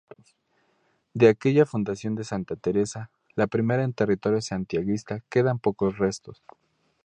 De aquella fundación de Santa Teresa, la primera en territorio santiaguista, quedan pocos restos.